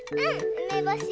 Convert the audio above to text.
うめぼし。